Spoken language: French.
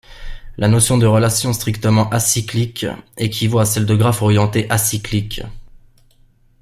La notion de relation strictement acyclique équivaut à celle de graphe orienté acyclique.